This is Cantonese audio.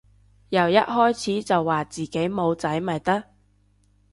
由一開始就話自己冇仔咪得